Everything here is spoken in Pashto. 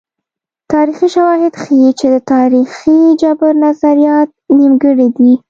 تاریخي شواهد ښيي چې د تاریخي جبر نظریات نیمګړي دي.